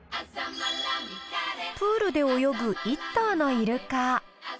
プールで泳ぐ１頭のイルカ。